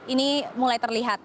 ini mulai terlihat